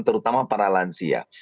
terutama para lansia